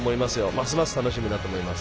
ますます楽しみだと思います。